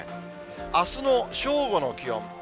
あすの正午の気温。